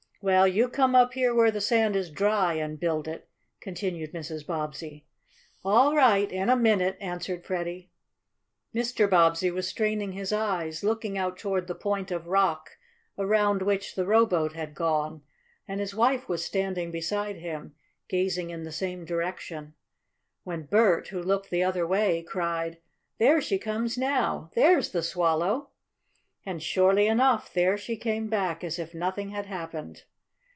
"Well, you come up here where the sand is dry and build it," continued Mrs. Bobbsey. "All right. In a minute," answered Freddie. Mr. Bobbsey was straining his eyes, looking out toward the point of rock, around which the rowboat had gone, and his wife was standing beside him, gazing in the same direction, when Bert, who looked the other way, cried: "There she comes now! There's the Swallow!" And, surely enough, there she came back, as if nothing had happened.